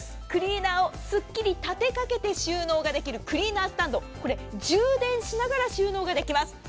クリーナーをすっきり立てかけて収納できるクリーナースタンド、充電しながら収納ができます。